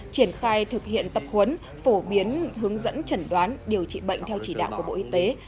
triển khai thực hiện tập huấn phổ biến hướng dẫn chẩn đoán điều trị bệnh theo chỉ đạo của bộ y tế